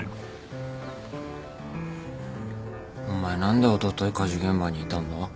お前何でおととい火事現場にいたんだ？